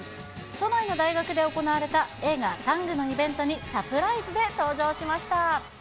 都内の大学で行われた映画、タングのイベントにサプライズで登場しました。